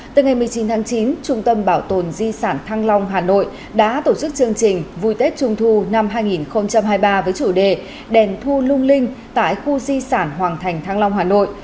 từ ngày một mươi chín tháng chín trung tâm bảo tồn di sản thăng long hà nội đã tổ chức chương trình vui tết trung thu năm hai nghìn hai mươi ba với chủ đề đèn thu lung linh tại khu di sản hoàng thành thăng long hà nội